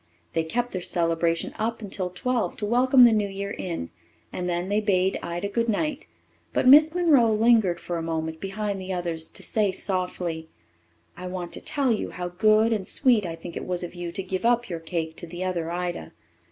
They kept their celebration up until twelve to welcome the new year in, and then they bade Ida good night. But Miss Monroe lingered for a moment behind the others to say softly: "I want to tell you how good and sweet I think it was of you to give up your cake to the other Ida.